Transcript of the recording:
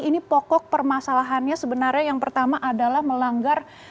ini pokok permasalahannya sebenarnya yang pertama adalah melanggar